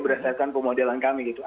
berdasarkan pemodelan kami